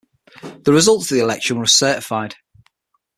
The results of the election were certified.